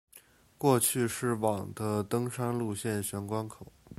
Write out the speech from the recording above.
过去是往的登山路线玄关口。